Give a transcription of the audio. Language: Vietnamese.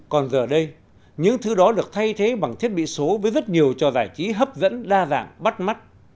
còn giờ đây những thứ đó được thay thế bằng thiết bị số với rất nhiều trò giải trí hấp dẫn đa dạng bắt mắt